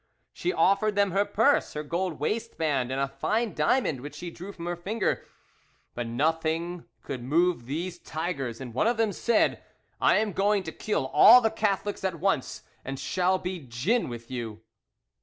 She offered them her purse, her gold waistband, and a fine diamond which she drew from her finger; but nothing could move these tigers, and one of them said, 'I am going to kill all the Catholics at once, and shall be gin with you.